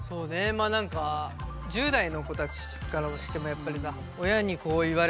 まあ何か１０代の子たちからしてもやっぱりさ